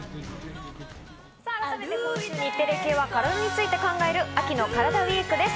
さぁ、改めて今週、日テレ系は体について考える秋のカラダＷＥＥＫです。